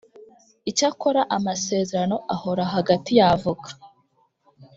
Icyakora amasezerano ahoraho hagati y avoka